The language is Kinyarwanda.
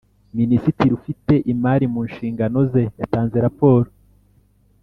Minisitiri ufite imari mu nshingano ze yatanze raporo